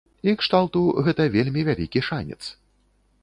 І кшталту, гэта вельмі вялікі шанец.